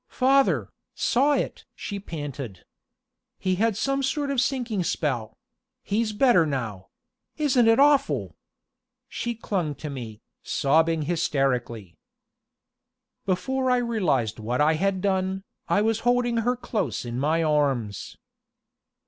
"Father saw it!" she panted. "He had some sort of sinking spell he's better now isn't it awful!" She clung to me, sobbing hysterically. Before I realized what I had done, I was holding her close in my arms.